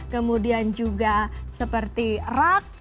kemudian juga seperti rak